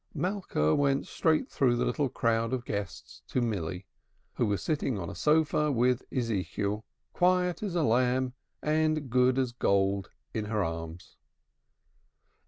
Malka went straight through the little crowd of guests to Milly, who was sitting on a sofa with Ezekiel, quiet as a lamb and as good as gold, in her arms.